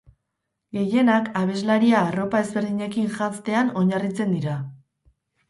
Gehienak, abeslaria arropa ezberdinekin janztean oinarritzen dira.